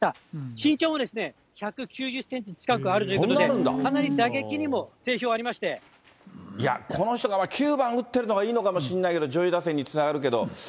身長も１９０センチ近くあるということで、いや、この人が９番打ってるのがいいのかもしんないけど、上位打線につながるけど。